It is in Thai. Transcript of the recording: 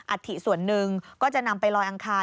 อธิส่วนหนึ่งก็จะนำไปลอยอังคาร